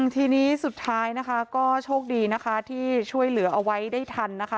ทีนี้สุดท้ายนะคะก็โชคดีนะคะที่ช่วยเหลือเอาไว้ได้ทันนะคะ